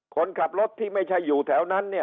คนขับรถที่ไม่ใช่อยู่ทางมาลายเนี่ย